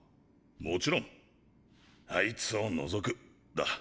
もちろんあいつを除くだ。